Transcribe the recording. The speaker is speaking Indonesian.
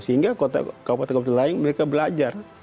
sehingga kabupaten kabupaten lain mereka belajar